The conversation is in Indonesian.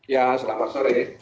ya selamat sore